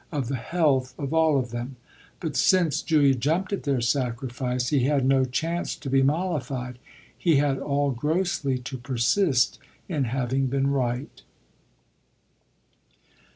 of the health of all of them. But since Julia jumped at their sacrifice he had no chance to be mollified: he had all grossly to persist in having been right.